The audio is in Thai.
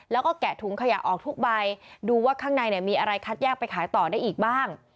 แล้วก็แกะถุงขยะออกทุกใบดูว่าข้างในเนี่ยมีอะไรคัดแยกไปขายต่อได้อีกบ้าง